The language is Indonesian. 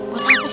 buat apa sih